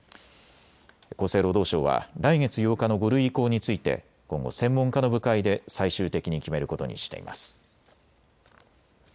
厚生労働省は来月８日の５類移行について今後、専門家の部会で最終的に決めることにしています。